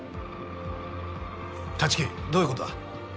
立木どういう事だ？